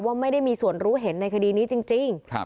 ว่าไม่ได้มีส่วนรู้เห็นในคดีนี้จริง